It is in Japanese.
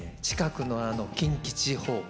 近くの近畿地方